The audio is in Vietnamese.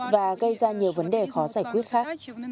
và gây ra nhiều vấn đề khó giải quyết khác